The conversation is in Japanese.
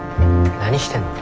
何してんの？